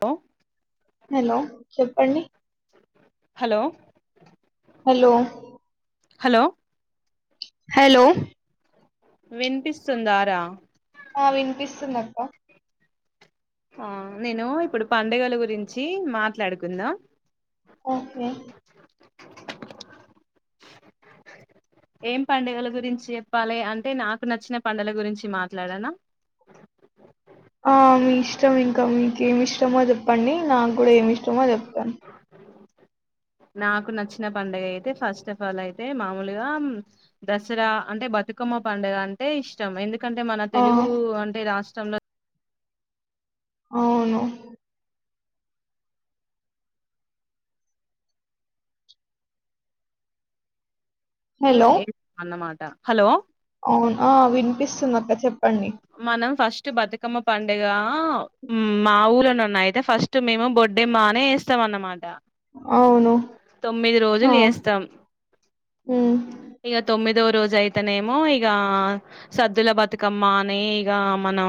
హ హలో చెప్పండి hello hello hello hello వినిపిస్తుందా రా ఆ వినిపిస్తున్నక్క ఆ నేను ఇప్పుడు పడుగల గురించి మాట్లాడుకుందా ఓకే ఏం పండుగల గురించి చెప్పాలి అంటే నాకు నచ్చిన పడుగల గురించి మాట్లాడనా ఆ మీ ఇష్టం ఇంకా మీకేమి ఇష్టమో చెప్పండి నాకు కూడా ఏమి ఇష్టమో చెప్తాను. నాకు నచ్చిన పండుగ అయితే ఫస్ట్ ఆఫ్ ఆల్ అయితే మామూలుగా దసరా అంటే బతుకమ్మ పండుగ అంటే ఇష్టం ఎందుకంట. ఎకంటే మన ఆ తెలుగు అంటే రాష్ట్రంలో. అవును ఏ అన్నమాటా హలో అవునా వినిపిస్తుందిక్క చెప్. మనం ఫస్ట్ బతుకమ్మ పండుగ మా ఊళ్ళనే ఉన్నా అయితే ఫస్ట్ మేము బొడ్డమ్మనే చేస్తాం అన్నమాట. అవును తొమ్మిది ఆ రోజులు వేస్తాం ఉమ్ ఇక తొమ్మిదో రోజ అయితేనేమో ఇక సద్దుల బతుకమ్మ అని ఇక మనం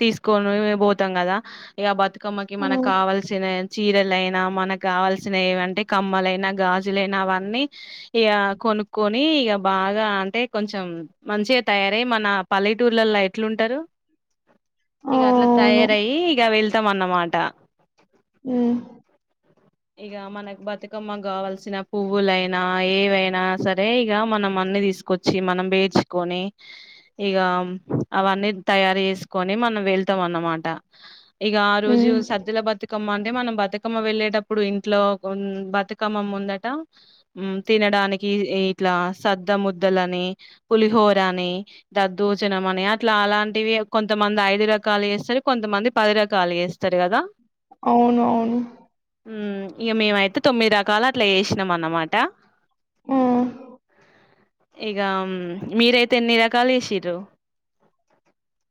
తీసుకొని పోతాం కదా ఇక బతు మ్మకి మనకు ఉమ్ కావాల్సిన చీరలైనా మనకు కావాల్సిన ఏంటే కమ్మలైనా గాజులైనా అవన్నీ ఇక కొనుక్కక్కొని ఇక బాగా అంటే కొంచెం మంచిగా తయారయ మన పల్లెటూర్లలో ఎట్లుంటారు. ఆ ఇ అట్లా అవును తయారయి ఇ వెల్ తం అన్నమాట ఆ ఇక మనకు బతుకమ్మ కావాల్సిన పువ్వులైనా ఏవైనా సరే ఇక మనం అన్ని తీసుకొచ్చి మనం వేర్చుకొని ఇక అవన్నీ తయారు చేసుకొని మనం వెళ్తాంన్నమాట. ఇక ఆ రోజు ఉమ్ సజ్జల బతుకమ్మ. అంట మనం బతుకమ్మ వెళ్లేేడ. ఇప్పుడు ఇంట్లో బతుకమ్మం ఉందట తినడానికి ఇట్లా సద్ద ముద్దల అని పులిహోరని దద్దోచనం అని అట్లా అలాంటివి కొంతమంది ఐదు రకాలు చేస్తారు కొంతమంది పది రకాలు చేస్తారు కదా అవును అవును ఇక మేమైతే తొమ్మిది రకాలు అట్లా చేసినాం అన్నమాట. ఆ ఇగా అం మీరైతే ఎన్ని రకాలు చేశింరు.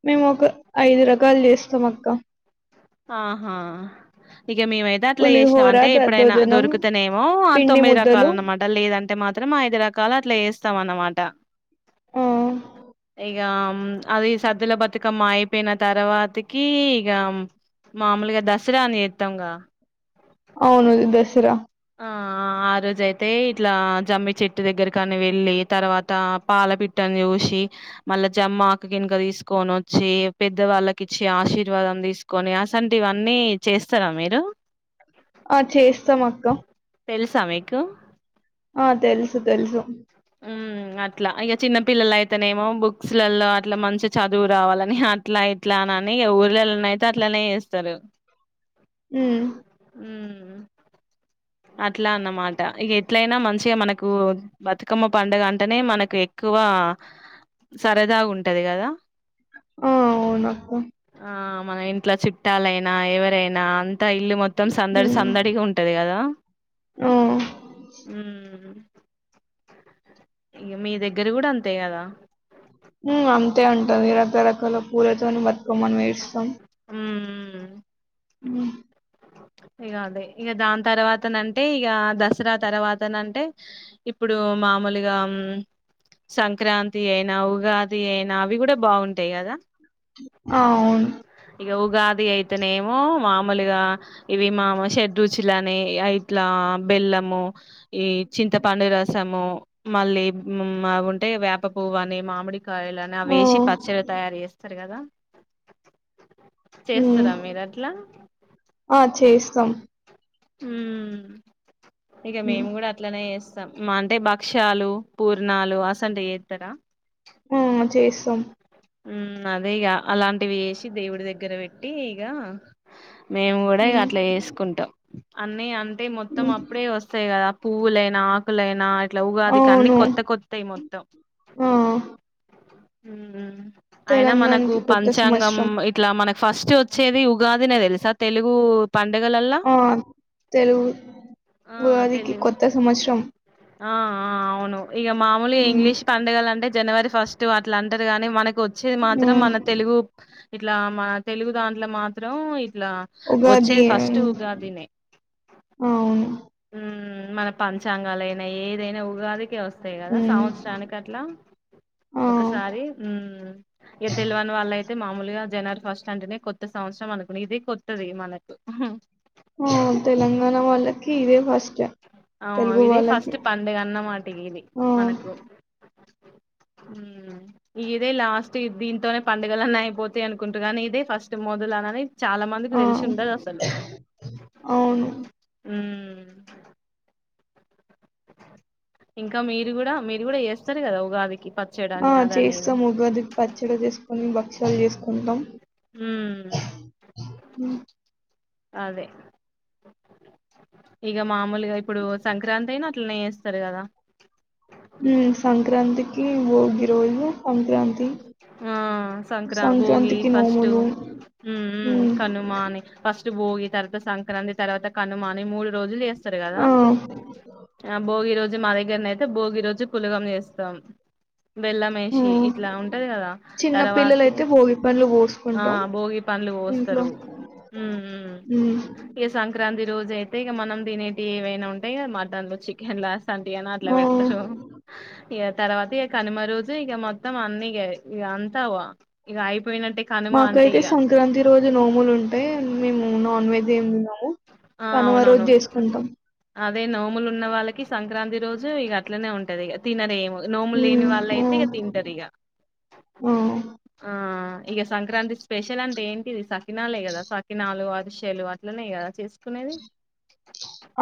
మేము ఒక ఐదు రకాల్ చేస్తం అక్క. ఆహా ఇగ మేమైతే అట్లా చేశినం. పులిహోర అంటే ఎప్పుడైనా దద్దోజనం దొరుకుతనేమో ఆ పిండి తొమ్మిది ముద్దలు రకాల అనమాట. లేదంట్ టే మాత్రం ఐదు రకాల్ అట్లా చేస్తం అన్నమాట. ఆ ఇగాం అది సద్దుల బతుకమ్మ అయిపోయిన తర్వాతకీ ఇగా. మామూలుగా దసరా అని చేత్తంగా. అవును దసరా ఆ ఆ రోజయితే ఇట్లా జమ్మి చెట్టు దగ్గరకని వెళ్ళీ, తర్వాతా పాల పిట్టని చూశీ, మళ్ళ జమ్మాకు గినుక తీసుకొనొచ్చీ, పెద్దవాళ్ళకి ఇచ్చి ఆశీర్వాదం తీసుకొని అసంటి వన్నీ చేస్తారా మీరూ. ఆ చేస్తాం అక్క. తెలుసా మీకు. ఆ తెలుసు తెలుసు. ఉమ్ అట్లా. ఇగ చిన్న పిల్లలయితేనేమో బుక్స్లలో అట్లా మంచి చదువు రావాలని అట్లా ఇట్లా నని ఇగ ఊర్లలోన అయితే అట్లనే చేస్తరు. ఉమ్, ఊ అట్లా అన్నమాట. ఇగ ఎట్లయినా మంచిగా మనకూ బతుక్ క్కమ్మ పండగ అంటనే మనకు ఎక్కువా సరదా గుంటది గదా. ఆ అవును అక్క. ఆ మన ఇంట్లో చుట్టాలైనా ఎవరైనా అం త ఇల్లు మొత్తం సందడి ఉమ్, సందడిగ ఉంటది గదా. ఆ, ఉమ్ ఇగ మీ దగ్గర గూడా అంతే గదా. ఊ అంతే ఉంటది రకరకాల పూలతోని బతుకమ్మని పేరుస్తం. హ్మూ ఊ ఇగ అదే. ఇగ దాన్ తర్వాతనంటే ఇగా దసరా తర్వాతనంటే, ఇప్పుడూ మామూలుగా ఉమ్ సంక్రాంతి అయినా, ఉగాది అయినా అవి గూడ బాగుంటయి గదా. ఆ అవును. ఇగ ఉగాది అయితెనేమో మామూలుగా ఇవి మాము షడ్ రుచులనీ ఇట్లా బెల్లము, ఈ చింతపండురసమూ, మళ్ళీ మా అవి ఉంటయి వేప పువ్వు అని, మామిడి కాయలని ఆ, అవేశి పచ్చడ తయారు చేస్తరు గదా. చేస్తరా మీరు అట్లా. చేస్తం. హ్మూ ఇగ ఉమ్, మేము గూడా అట్లనే చేస్ స్తం. మా అంటే భక్ష్యాలు, పూర్ణాలు అసంటియి చేస్తరా. ఊ చేస్ స్తం ఉమ్ అదే ఇగా. అలాంటివి చేశి దేవుడి దగ్గర పెట్టీ ఇగా మేము గూడా ఇగ ఉమ్, అట్ల చేసుకుంటం. అన్నీ అంత్ అంటే మొత్తం ఉమ్, అప్పుడే వస్తాయి కదా పూవులైనా ఆకులైనా ఉగాదికి అన్ని అవును కొత్త కొత్తాయి మొత్తం ఆ ఉమ్ అయినా మనకు తెలంగాణకి కొత్త పంచాంగం సంవత్సరం ఇట్లా మనకు ఫస్ట్ వచ్చేది ఉగాదినే తెలుసా తెలుగు పండుగలల్లా ఆ తెలుగు ఆ ఉగాదికి తెలుగు కొత్త సంవత్సరం ఆ ఆ అవును ఇక మామూలుగా ఉమ్, ఇంగ్లీష్ పండుగల అంటే జనవరి ఫస్ట్ వన్ ఇట్లా అంటారు గాని మనకి వచ్చేది మాత్రం ఉమ్, మన తెలుగు ఇట్లా మా తెలుగు దాంట్లో మాత్రం ఇట్లా ఉగాది వచ్చేది ఫస్ట్ ఉమ్, ఉగాదినే అవును మన పంచాంగాలైనా ఏదైనా ఉగాదికే వస్త వస్తాయి కదా ఉమ్ సంవత్సరానికి అట్లా ఆ ఒకసారి ఉమ్ ఇక తెలివని వాళ్ళయితే అయితే మామూలుగా జనవరి ఫస్ట్ అంటేనే కొత్త సంవత్సరం అనుకున్నా ఇది కొత్తది మనది ఉహుం ఉమ్ తెలంగాణ వాళ్ళకి ఇదే ఫస్ట్ ఆవ్ తెలుగు ఇది వాళ్ళకి ఫస్ట్ పండగ అన్నమాటి ఇది ఆ మనకు ఇదే లాస్ట్ దీంతోనే పండుగలన్న అయిపోతాయి అనుకుంటు కానీ ఇదే ఫస్ట్ మొదలు అనని చాలా మందికి ఆ తెలిసి ఉండది అసలు అవును ఇంకా మీరు కూడా మీరు కూడా చేస్తారు కదా ఉగాదికి పచ్చడి ఆ అని అదని ఇది చేస్తాం ఉగాది పచ్చడి తీసుకొని బ భాక్షలు చేసుకుంటాం. హ్మ్ అదే ఇక మామూలుగా ఇప్పుడు సంక్రాంతి అయినా అట్లనే చేస్తారు కదా ఉమ్ సంక్రాంతికి భోగిరోజు సంక్రాంతి ఆ సంక్రా భోగి సంక్రాంతికి ఫస్ట్ నోములు మ్ మ్ ఉమ్ కనుమ అని ఫస్ట్ భోగి తర్వాత సంక్రాంతి తర్వాత కనుమాని మూడు రోజులు చేస్ చేస్తారు కదా ఆ భోగి రోజు జు మా దగ్గర నైతే భోగి రోజు పులగం చేస్తాం. ఆ బెల్లమేషి ఇట్లా ఉం కదా చిన్న తర్వాతి పిల్లలైతే భోగి పండ్లు ఆ పోసుకుంటాం భోగి పండ్లు ఇంట్లో పోస్తరు ఉం ఉం ఉమ్ ఇగ సంక్రాంతి రోజ అయితే ఇక మనం దినేటియి ఏవైనా ఉంటాయిగా మటన్లు చికెన్ లాస్ సంటియని అట్ల పెడుతరు ఆ ఇగ తర్వాత ఇగ కనుమ రోజు ఇగ మొత్తం అన్ని ఇ ఇగ అంతవ ఇగ అయి మాకైతే సంక్రాంతి రోజు నోములు ఉంటయి మేము నాన్ వెజ్ ఏం తినము ఆ కనుమ రోజు అవునవును ఉమ్. చేసుకుంటాం అదే నోములు ఉన్న వాళ్ళకి సంక్రాంతి రోజు ఇగ అట్లనే ఉంటది ఇగ తినరేము నోముల్లెని హ్మ్. వాళ్ళు ఆ! అయితే ఇగ తింటరు ఇగ ఆ! ఆ ఇగ సంక్రాంతి స్పెషల్ అంటే ఏన్ టిది సక్ కినాలే గద సాకినాలు అర్ షలు అట్లనే గదా చేస్ కునేది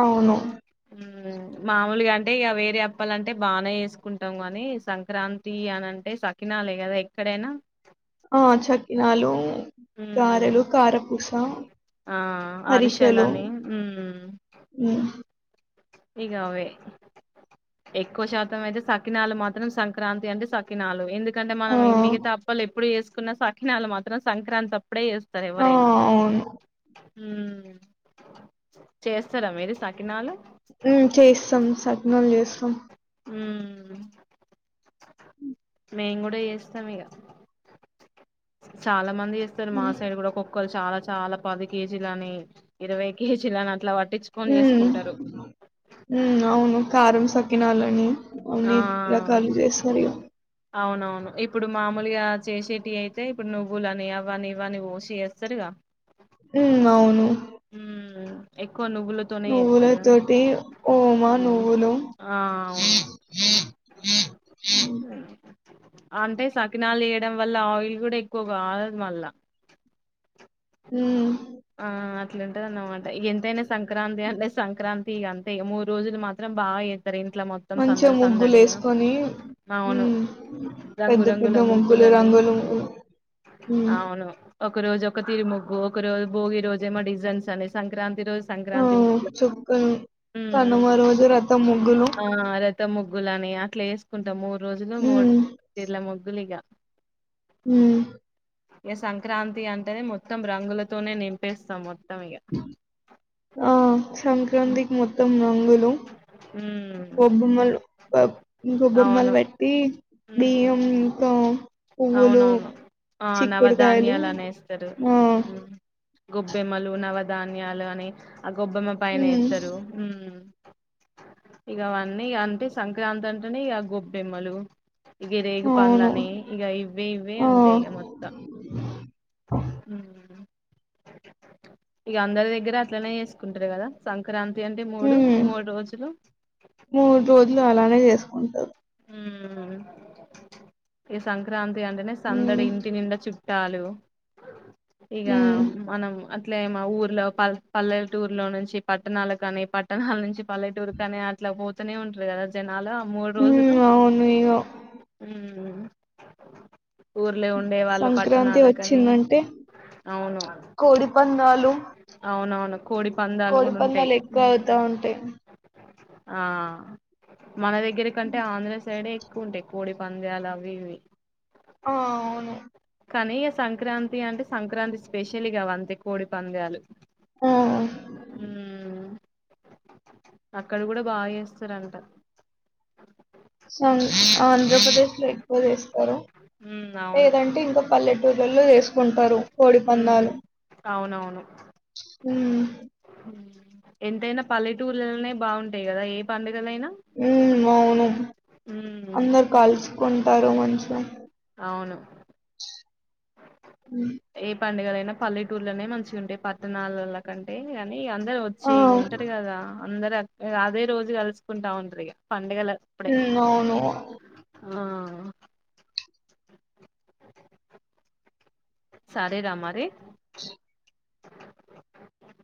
అవును మామూలుగా అంటే ఇగ వేరే అప్పాలంటే బానే చేసుకుంటాం గని సంక్రాంతి అనంటే సకినాలే గదా ఎక్కడైనా ఆ చకినాలు ఉమ్, గారెలు కారపూస హరిష్ చలాని ఉం ఇగ అవే ఎక్కువ శాతం అయితే సకినాలు మాత్రం సంక్రాంతి అంటే సకినాలు ఎందు కఅంటే మనం ఆ! మిగతా అప్పలు ఎప్పుడు చేసు కున్న సకినాలు మాత్రం సంక్రాంతి అప్ ప్పుడే చేస్తర్ ఆ! ఎవ్వరైనా అవును. ఉమ్ చేస్తారా మీరు సకినాలు ఉం చేస్తాం సకినాలు చేస్తాం ఉం మేం కూడా చేస్తాం ఇగ చాలా మంది చేేస్తారు మా హ్మ్. సైడ్ కూడా ఒక్కోక్క చాలా చాలా పది కేజీల అని ఇరవై కేజీలని అట్లా ప ట్టిచ్చుకొని చేసుకుంటారు ఉం అవును కారం సకినాలని ఆ అన్ని రకాలు చేస్తారు ఇగ అవునవును ఇప్పుడు మామూలుగా చేసేటిఐయితే ఇప్పుడు నువ్వులని అవని ఇవని ఒషీ చేస్తరుగా ఉం అవును ఎక్ నువ్వుల తొటి ఓమ నువ్వులు ఆ అవును అంటే సకినాలు వేయడం వల్ల ఆయిల్ కూడా ఎక్కువ కాలదు మళ్ళా హ్మ్ అట్లుంటదిన్నమాట ఎంతైనా సంక్రాంతి అంటే సంక్రాంతి అంతే మూడు రోజులు మాత్రం బాగా ఇంట్లో మొత్తం మంచిగా సందడి ముగ్గులు సందడిగా వేసుకొని అవును హ్మ్ పెద్ద పెద్ద రంగురంగుల ముగ్గులు ముగ్గులని రంగులు హ్మ్ అవును ఒక రోజు ఒక తిరి ముగ్గు ఒక రోజు భోగి రోజుమొ డిజైన్స్ అని సంక్రాంతి రోజు ఆ సంక్రాంతి ముగ్గు చుక్కలు ఉమ్ ఉమ్. కనుమ రోజు రతం ముగ్గులు గ్గులని అట్లా వేసుకుంటాము రోజులు మూడు హ్మ్. జర్ల మగ్గులుగా ఉమ్ ఏ సంక్రాంతి అంటేనే మొత్తం రంగుల తనే నింపెస్తాం ఆ ఉమ్ సంక్రాంతి మొత్తం రంగ రంగులు గొబ్బెమ్మలు గొబ్బెమ్మలు అవును పెట్టి ఉమ్ బియ్యం ఇంకా పువ్వులు, అవునవును ఆ చిక్కుడుకాయలు నవధాన్యాలు అనేస్తారు ఆ! గొబ్బెమ్మలు నవధాన్యాలు అని ఆ గొబ్బెమ్మ పైన హ్మ్. ఎత్తరు ఇకవన్నీ అంటే సంక్రాంతి అంటేనే ఇక గొబ్బెమ్మలు ఇగ రేగ పంన్లు అవును. అని ఇక ఇవ్వే ఇవ్వే ఆ! ఉంటాయి ఇక మొత్తం ఇక అందరి దగ్గర అట్లనే చేసుకుంటారు కదా సంక్రాంతి అంటే మూడు ఉమ్ మూడు రోజులు మూడు రోజులు అలానే చేసుకో కుంటరు ఉమ్ ఈ సంక్రాంతి అంటేనే సందడి ఉమ్ ఇంటి నిండా చు టాలు ఇగా ఉమ్ మనం అట్లామో ఊర్లో పల్ పల్లెటూర్ లో నుంచి పట్టణాల కాని పట్టణాల నుంచి పల్లెటూరు కాని అట్లా పోతూనే ఉంటారు కదా జ నాలు ఆ మూడు రోజు ఉమ్ అవును ఉమ్ ఊర్లో ఉండే వాళ్ళు సంక్రాంతి పట్టణాలకని వచ్చిందంటే అవును కోడి పందాలు అవునవును కోడి పందాలు కోడి కూడా ఉంటాయి పందాలు ఎక్కువ అవుతా ఉమ్ ఉంటాయి ఆ మన దగ్గ టె ఆంధ్ర్రా సైడే ఎ క్కు ఉంటాయ్ కోడి పంద్యాలు అవి ఇవి ఆ అవును కానీ సంక్రాంతి అంటే సంక్రాంతి స్పెషలిగవంతే కోడి పంద్యలు ఆ హ్మ అక్కడ గూడా బా చేస్తారంట సంక్ ఆంధ్రప్రదేశ్ లో ఎక్కువ చేస్తారు. ఉమ్ అవును లేదంటే ఇంకా పల్లెటూళ్ళలో లో ఏసుకుంటారు కోడి పందాలు ఉ హు ఎంతైనా పల్లెటూర్లల్నే బాగుంటాయి కదా ఏ పండగ్ ఉ అవును ఉమ్ అందరు కల్సుకుంటారు మంచిగా అవును ఉ ఏ పండుగలైనా పల్లెటూర్లనే మంచిగుంటాయ్ పట్టణాలల్ల కంటే ఇగ అందరు వచ్చి ఆ ఇగ్ ఉంటరు కదా అందరు అద్ ఇ అదే రోజు గల్సుకుంటా ఉంట్రిగా పని ఉ అవును ఆ సారే రా మరి స